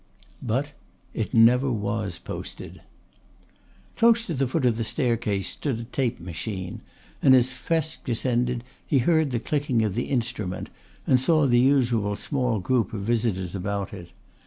But it never was posted. Close to the foot of the staircase stood a tape machine, and as Thresk descended he heard the clicking of the instrument and saw the usual small group of visitors about it.